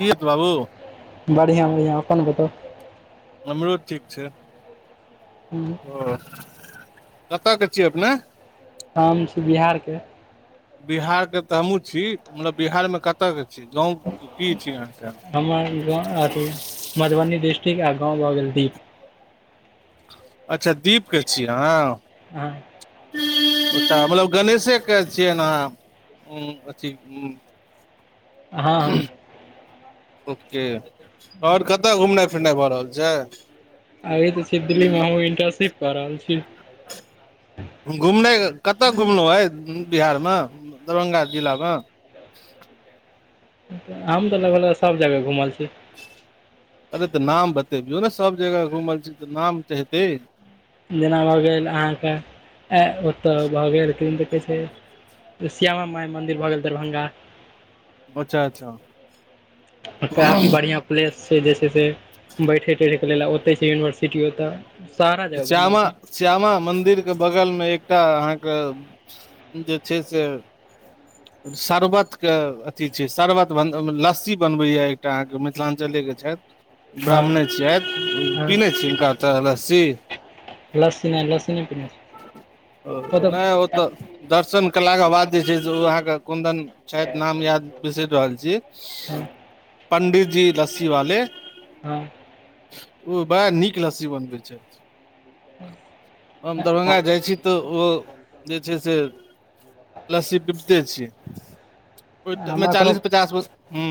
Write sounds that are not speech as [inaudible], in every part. कीअत बाबू बढ़िया बढ़िया अपन बताउ हमरो ठीक छै हूँ ओ कतऽ कऽ छियै अपने हम छी बिहार केँ बिहार केँ तऽ हमहूँ छी मतलब बिहारमे कतय केँ छी गाँव की छी अहाँकेँ हमर गाँव अथी मधुबनी डिस्ट्रिक आ गाँव भऽ गेल दीप अच्छअ दीप केँ छी अहाँ हँ [unintelligible] मतलब गणेशे कऽ छियै नऽ अहाँ अथी हँ ओ के आओर कतऽ घुमनाइ फिरनाइ भऽ रहल छै अभि तऽ छी दिल्ली मऽ हम इन्टर्नशिप कऽ रहल छी घुमना कतऽ घुमलहुँ आइ बिहार मऽ दरभंगा जिला म हम तऽ लगभग लगभग सभ जगह घुमल छी अरे तऽ नाम बतेबियौ न सब जगह घुमल छी तऽ नाम त हेतै जेना भऽ गेल अहाँ क ऐ ओतऽ भऽ गेल किदैन तऽ कहै छै त श्यामा माइ मन्दिर भऽ गेल दरभंगा अच्छह अच्छह काफी बढ़िया प्लेस छै जे छैे से बैठे तैठे कऽ लेल ओतैय छै यूनिवर्सिटी ओतऽ सारा जगह घुमल श्यामा छी श्यामा मन्दिर कऽ बगलमे एकटा अहाँ कऽ जे छै से [inaudible] शर्बत कऽ अथी छै शरबत बन लस्सी बनबै यऽ एकटा अहाँ कऽ मिथिलांचले कऽ छैथ हँ ब्राह्मणे छियैथ पीने छियै हुनका ओतऽ लस्सी लसी नाइ लसी नइ पने ओ नहि ओ तऽ दर्शन कलाके बाद जे छै से ओ अहाँके कोन्दन छथि नाम याद बिसरि रहल छी हँ पण्डिजी लस्सी वाले हँ उ बड़ा नीक लस्सी बनबै छै [inaudible] दरभंगा जाइ छी त ओ जे छै से लस्सी पिबते छी [unintelligible] हमरा कोनो चालीस पचास वर्ष ह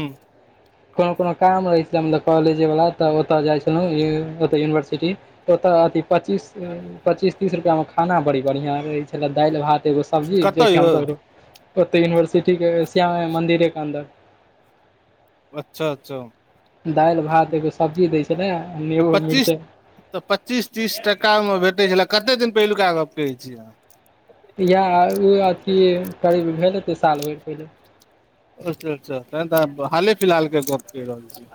कोनो कोनो काम रहै छलै [unintelligible] तऽ ओतय जाइ छलहुँ ओतऽ यूनिवर्सिटी ओत अथि पचीस पचीस तीस रुपैआमे खाना बड़ी बढ़िआँ रहै छलै दालि भात एगो सब्जी जे कतऽ खेऽब यौ हमसब ओत यूनिवर्सिटी के श्यामा मन्दिरे के अन्दर अच्छा अच्छा दालि भात एगो सब्जी दै छलै आ तऽ नेबो पच्चीस मिरचाइ तऽ पच्चीस तीस टाका मे भेटै छलै कते दिन पहिलुका गप्प कहैछी अहाँ इएह ओ अथी करीब भेल हेतै साल भरि पहिले अच्छा अच्छा तहन तऽ आहाँ हाले फिलहालके गप कहि रहल छी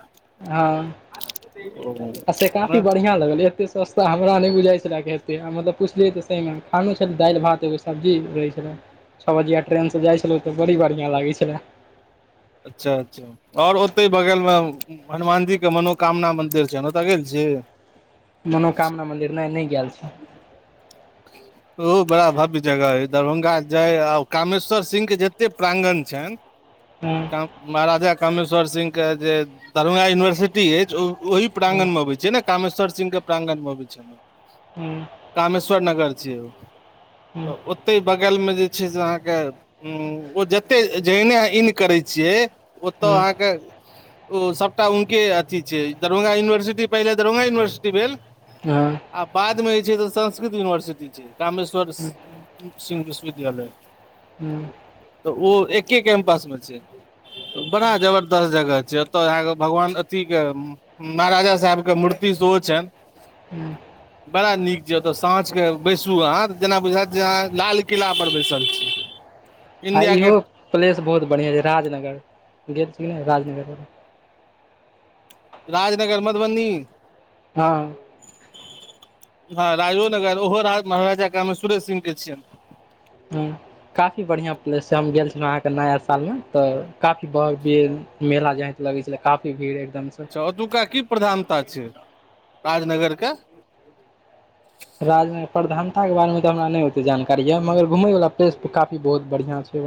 ओ हँ, से काफी नहि बढ़िया रहल एक पीस सस्ता हमरा नहि बुझाइ छलै जे हेतै मतलब पुछलियै तऽ सही मे खानो छलै दालि भात एगो सब्जी रहै छलै छ बजिया ट्रेन स जाइ छलै तऽ बड़ी बढ़ियां लागै छले अच्छा अच्छा आओर ओतै बगलमे हनुमानजी के मनोकामना मंन्दिर छनि ओतऽ गेल छी मनोकामना मंदिर नै नाय गेल छी ह [unintelligible] ओ बड़ा भव्य जगह अइ दरभंगा जाय आ कामेश्वर सिंह के जते प्रांगन छैन [inaudible] ह महाराजा कामेश्वर सिंह के जे दरभंगा यूनिवर्सिटी ति अछि ओहि हँ प्रांगण मे अबै छै ने कामेश्वर सिंह के प्रांगण मे अबै छै हमर हूँ कामेश्वर नगर छियै त हँ ओ ओतहि बगलमे जे छै से अहाँके ओ जत्तै जहने आहाँ इन करै छियै ओतऽ हँ अहाँके ओ सभटा उनके अथी छियै दरभंगा यूनिवर्सिटी पहिले दरभंगा यूनिवर्सिटी भेल हँ आ बादमे जे छै संस्कृत यूनिवर्सिटी छै कामेश्वर हँ सिंह विश्वविद्यालय हूँ तऽ ओ एके कैम्पस मे छै बड़ा जबर दस जगह छै ओतय अहाँके भगवान अथि के महाराजा साहेबके मूर्ति सेहो छैन हू बड़ा नीक जगह साँझक बैसू अहाँ जेना बुझायत जे आहां लालकिला पर बैसल छी आ इंडिया गेट इहो प्लेस बहुत बढियां अए राजनगर गेल छी ने राजनगर राजनगर मधबनी हँ हँ राजोनगर ओहो राज महाराजा कामेश्वरे सिंह के छियनि हं काफी बढ़िया प्लेस छै हम गेल छलो अहाँके नाया साल में तऽ काफी ब मेला जेका लगै छलै काफी भीड़ है अच्छा ओतुका की प्रधानता छै, राजनगरके राजन प्रधानताके बारेमे तऽ हमरा नहि ओते जानकारी यऽ मगर घुमय वला प्लेस त काफी बहुत बढ़िआँ छै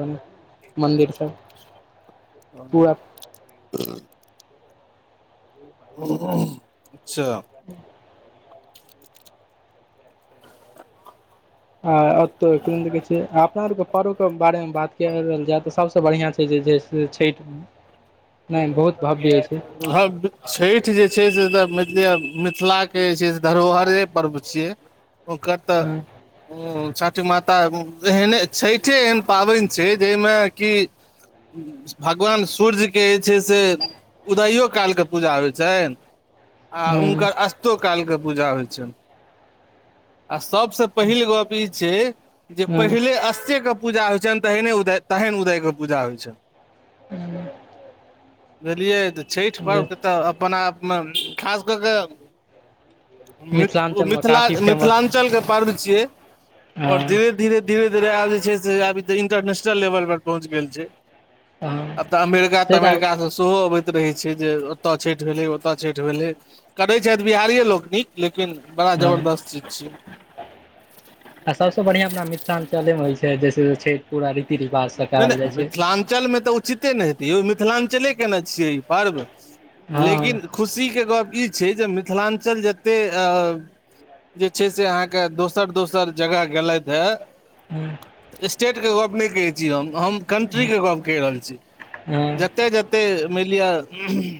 मन्दिर सब ओ पूरा उम्ह उम्ह अच्छा [unintelligible] आ अतौ किदुन त कहै छै अपना आर के पारों के बारे मे बात कियैल जाय त सबस बढ़िया छै से जे छैम [unintelligible] [unintelligible] हँ छठि जे छै से तऽ मानि लिअ मिथिलाके जे छै से धरोहरे पर्व छियै ओकर तऽ हँ हूँ छठि माता एहने छैठे एहन पाबनि छै जाहिमे कि भगवान सूर्ज जे छै से उदयो काल के पूजा होइ छैन आ हँ हुनकर अस्त काल के पूजा होइ छन आ सबसे पहिल गप ई छै जे हँ पहिले अस्सी पूजा होइ छनि तहने उदय तहन उदयके पूजा होइ छनि [inaudible] बुझलियै तऽ छठि पर्वके तऽ अपना आपमे खास कऽ कऽ मि मिथिलाञ्चलमे मिथिला काफी फेमस मिथिलाञ्चलके पर्व छियै आओर हँ धीर धीरे धीरे धीरे आब जे छै सँ आब इंटरनेशनल लेवल पर पहुँच गेल छै हँ आब तऽ अमेरिका से तऽ तमेरिका सेहो अबैत रहै छै जे ओतय छठि भेलै ओतय छठि भेलै करै छथि बिहारिए लोक नीक लेकिन बड़ा हँ जबरदस्त चीज छै आ सभसँ बढ़िआँ तऽ मिथिलाञ्चलेमे होइ छै जइसँ छै पूरा रीति-रिवाज स नहि नहि मिथिलाञ्चल मे तऽ उचिते ने हेतै यौ मिथिलाञ्चले कयने छियै ई पर्व हँ लेकिन खुसीके गप्प ई छै जे मिथिलाञ्चल जतेऽ जे छै से अहाँके दोसर दोसर जगह गेलथि हें [inaudible] स्टेट के गप्प नहि कहै छी हम हम हँ कन्ट्रीक हँ गप्प कहि रहल छी हँ जते जते मैनलिय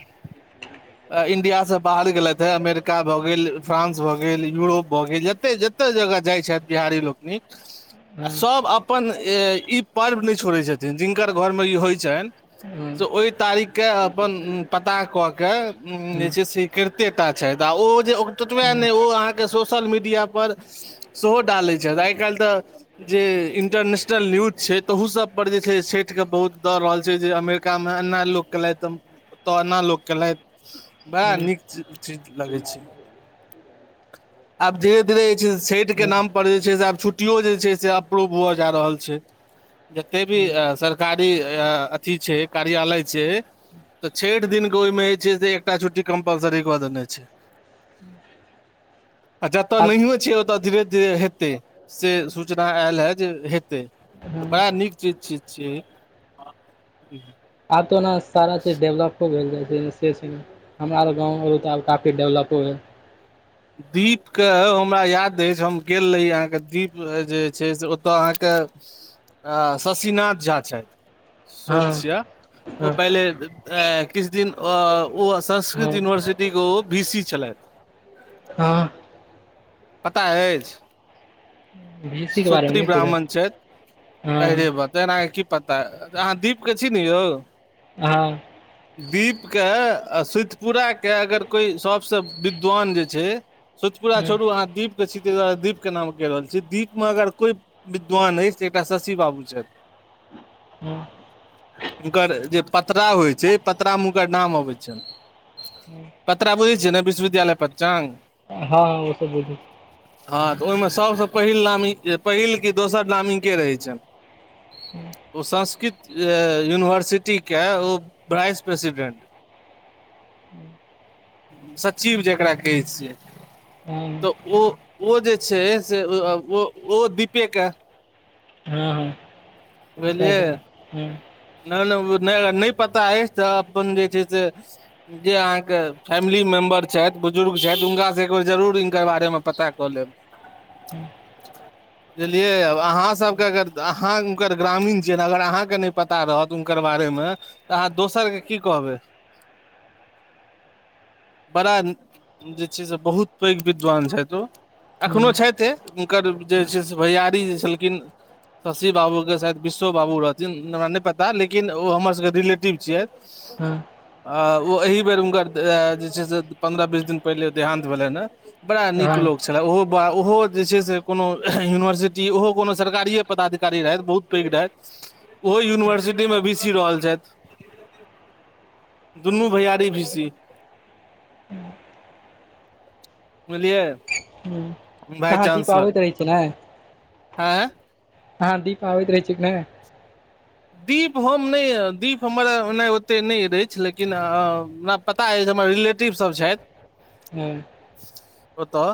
इण्डियासँ बाहर गेलथि हा अमेरिका भऽ गेल, फ्रान्स भऽ गेल, यूरोप भऽ गेल, जतेऽ जतेऽ जतऽ जगह जाइ छथि बिहारी लोकनि आ आब सभ अपन ई पर्व नहि छोड़ैत छथिन जिनकर घरमे ई होइ छनि से ओई तारीख के अपन पता कऽ के उ जे छै से करिते टा छथि आ ओ जे ततबे ने ओ अहाँके सोशल मीडिया पर सेहो डालै छथि आइकाल्हि तऽ जे इंटरनेशनल न्यूज छै तहू सभ पर जे छै छठि क बहुत द रहल छै जे अमेरिकामे एना लोक केलथिह तऽ एना लोक केलथि बड़ा नीक चीज लगै छै आब धीरे धीरे ई जे छठि के नाम पर जे छै से आब छुट्टीओ जे छै से अप्रूव हुअऽ जा रहल छै जते भी सरकारी या अथी छै कार्यालय छै तऽ छठि दिनके ओहिमे जे छै से एकटा छुट्टी कम्पलसरी कऽ देने छै आ जतऽ आब नहियो छै ओतऽ धीरे -धीरे से सूचना आयल हे जे हेतै तऽ बड़ा नीक चीज छि छियै आब त ओना सारा चीज डेवलपो [unintelligible] से छै नऽ हमरा [unintelligible] गाँव [unintelligible] तऽ आब काफी डेवलपो भेलै दीप कऽ हमरा याद अछि हम गेल रही अहाँके दीप जे छै से ओतय अहाँके आ शशिनाथ झा छथि श्वेत हँ छिआ हँ ओ पहिले किछ दिन ओ संस्कृत हँ यूनिवर्सिटी के ओऽ वी सी छलथि हं पता अछि बी एस सी के बारेमे सूत्री नहि बुझल ब्राह्मण छथि हँ एहिरेवा तहन आहाँके की पता अहाँ दीप के छी न यौ हँ [inaudible] दीप के आ सुतिपुराके अगर कोइ सबसँ विद्वान जे छै सोइत पुरा हँ छोड़ू अहाँ दीप के छी ताहि दुआरे दीपके नाम कैह रहल छी दीपमे अगर कोइ विद्वान अछि जे एकटा शशि बाबू छथि हूं हुनकर जे पतरा होइ छै पतरा मे हुनकर नाम अबै छनि [inaudible] पत्तरा बुझै छियै न बिश्वविद्यालय पच्चांग हँ ओ तऽ बुझै छियै हँ तऽ ओयमे सभस पहिल नामी जे पहिल कि दोसर नाम हिनके रहै छनि [inaudible] ओ संस्कृत जे यूनिवर्सिटीके ओ भ्राइस प्रेसिडेन्ट सचिव जकरा कहै छियै हँ तऽ ओ ओ जे छै से अ आ ओ दीपेके हं बुझलियै न नै उ नै अगर नै पता अइछ तऽ अपन जे छै से जे अहाँके फैमिली मेम्बर छइथ बुजुर्ग छइथ हुनकासे एक बेर जरूर हिनकर बारेमे पता क लेब [inaudible] बुझलियैब आब अहाँ सबके अगर [unintelligible] हुनकर ग्रामीण छियैं अगर अहाँके नय पता रहत हुनकर बारे मे तऽ अहाँ दोसर के की कहबै बरा जे छै से बहुत पैघ विद्वान छइथ ओ अखनो हँ छइथे हुनकर जे छै से भैयारी जे छलखिन शशि बाबू शायद बिसो बाबू रहथिन न हमरा नय पता लेकिन ओ हमर सभके रिलेटिभ छियथि हँ आ ओ एही बेर हुनकर दे जे छै से पन्द्रह बीस दिन पहिले देहान्त भेलनि हें बड़ा नीक हँ लोक छले ओहो ओहो जे छै से कोनो यूनिवर्सिटी ओहो कोनो सरकारिए पदाधिकारी रहथि बहुत पैघ रहथि ओहो यूनिवर्सिटी मे बी सी रहल छैथ दुन्नू भैयारी भी सी बुझलियै हँ बाय अहाँ दीप चांस लर आबैत रहै छियै आहाॅं दीप आबैत रहै छै कि नै दीप हम नय अयब दीप हम्मर ओनाय ओयते नै अछि लेकिन अ आ पता अइछ हम्मर रिलेटिभ सभ छइथ हूं ओतय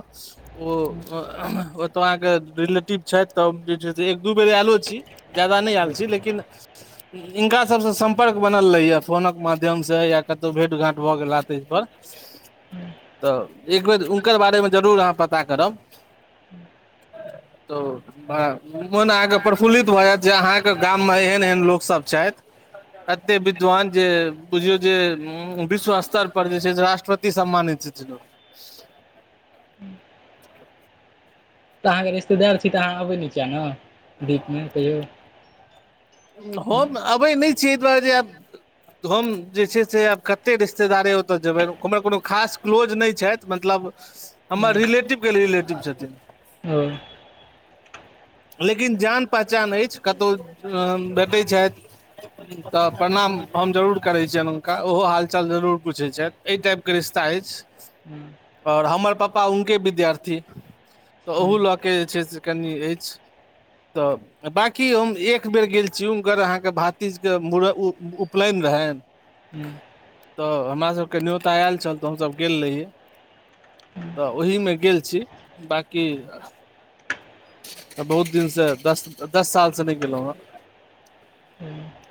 ओ तऽ ह ओतऽ अहाँके रिलेटिभ छइथ तऽ जे छै से एक दू बेर आयलो छै जायदा नै आयबे छी लेकिन इनका सबसेॅं सम्पर्क बनल रहे या फोनक माध्यम से या कतौ भेट घांट भो गेला तय तऽ एक बेर हुनकर बारेमे जरूर अहाँ पता करब तऽ भा मोन अहाँके प्रफुल्लित भऽ जायत जे अहाँके गाममे एहन एहन एहन लोक सभ छइथ अते विद्वान जे बुझियौ जे विश्व स्तर पर जे छै से रष्ट्रपति सम्मानित छथि ओ [inaudible] तऽ अहाँके रिश्तेदार छी तऽ अहाँ अबै नै किए ने दीपमे कहियौ हम्म अबै नै छिये एय दुवारे जे त हम्म जे छै से आब कते रिश्तेदारे ओतय जेबैं हम्मर कोनो खास क्लोज नय छइथ मतलब हँ हम्मर रिलेटिभ के रिलेटिभ छथिन्ह ओ लेकिन जान पहचान अइछ कतौ आ भेटैत छइथ [inaudible] तऽ प्रणाम हम जरूर करै छियन हुनका ओहो हालचाल जरूर पुछै छइथ अय टाइपके रिश्ता अइछ हँ और हम्मर पापा उनके बिद्यार्थी तऽ हँ ओहू लऽ कऽ जे छै से कनि अइछ तऽ बाँकी हम एक एक बेर गेल छी हुनकर अहाँके भारती जी के मुरन उ उपनयन रहैन हँ तऽ हमरा सभके न्योता आयल छल तऽ हमसभ गेल रहियै तऽ ओहिमे गेल छी बाँकी तऽ बहुत दिनसँ दस दस साल स नहि गेलहुँ हेँ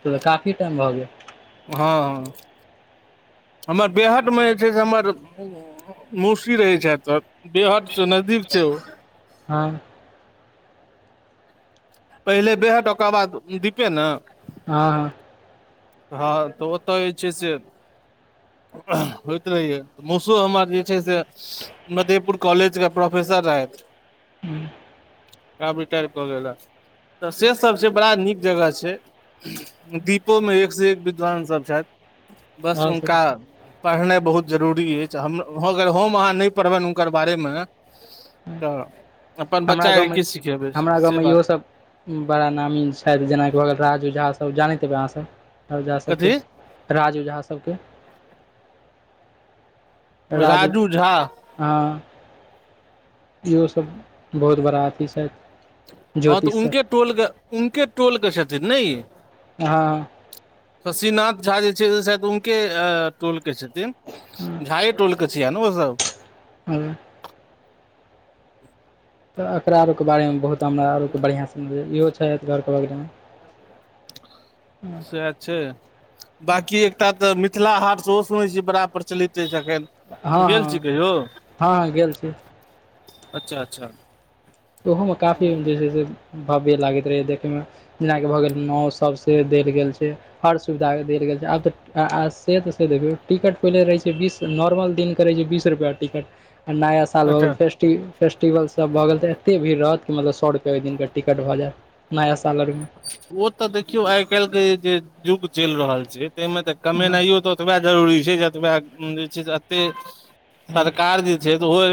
तोऽ काफी टाइम भऽ गेले हँ, हमर बेहटमे जे छै से हमर मौसी रहै छैथ तऽ बेहट स नजदीक छै ऊ हँ पहिले बेहट ओकर बाद दीपे ने हँ हँ तऽ ओत्त जे छै से होइत रहैएऽ मौसो हमरा जे छै से मधेपुर कॉलज क प्रोफेसर रहैथ हँ आब रिटायर कऽ गेले, तऽ से सब छै बड़ा नीक जगह छै दीपोमे एक स एक विद्वानसभ छैथ बस आओर हुनका सब तऽ पढेनाइ बहुत जरूरी अछि हम अगर हम अहाँ नहि पढ़बनि हुनकर बारेमे तऽ अपन हमरा बच्चाके गाँवमे की सिखेबै हमरा से गाँवमे इहो सब बड़ा नामी छैथ जेनाकि भऽ गेल राजूझा सभ जानैत हेबै अहाँ सभ राजु झा सभके कथी राज ओझा सबके राज राजू झा ओझा हँ, इहो सब बहुत बड़ा अथी छथि हँ तऽ ज्योतिषसँ उनके टोलके उनके टोल के छथिन ने इ हँ शशिनाथ झा जे छै शायद उनके टोलके छथिन झाये टोल के छिया ने ओसब हूँ तऽ एकरा और के बारे मे बहुत हमरा और के बढ़िआँ स नै इहो छै शहत करप ल [unintelligible] सएह छै, बाकी एकटा तऽ मिथिला हाट सेहो सुनै छियै बड़ा प्रचलित छै एखन हँ गेल छी हँ कहियौ, हँ हँ गेल छी अच्छा अच्छा ओहोमे काफी---भव्य लागैत रहैए देखैमे जेनाकि भऽ गेल नाव सबसे डैर गेल छै हर सुविधा देल गेल छै आब तऽ से तऽ से देखियौ टिकट पहिले रहै छै बीस नौरमल दिन कऽ रहैछै बीस रू टिकट आ नाया सा साल भऽ गेल अच्छा फेस्टि फेस्टिवल सब भऽ गेल तऽ एते भीड़ रहत कि मतलब सौ रुपैया ओइ दिनके टिकट भऽ जायत नया साल आओर के ओ तऽ देखियौ आइ काल्हि के जे युग चलि रहल छै तैमे तऽ कमेनाइयो तऽ ओतबे जरूरी छै जतबे जे छै से एत्ते सरकार जे छै से ओहो